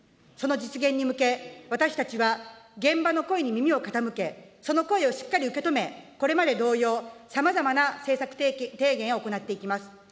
その実現に向け、私たちは現場の声に耳を傾け、その声をしっかり受け止め、これまで同様、さまざまな政策提言を行っていきます。